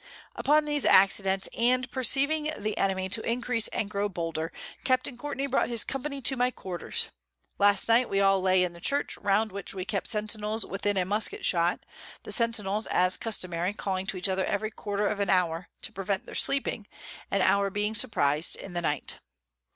Upon these Accidents, and perceiving the Enemy to increase and grow bolder, Capt. Courtney brought his Company to my Quarters. Last Night we all lay in the Church, round which we kept Centinels within a Musket shot; the Centinels, as customary, calling to each other every Quarter of an Hour, to prevent their sleeping, and our being surprized in the Night.